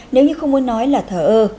nếu như không muốn nói là thờ ơ